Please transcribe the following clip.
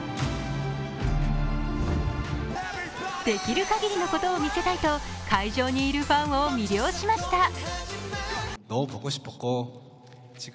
できる限りのことを見せたいと会場にいるファンを魅了しました。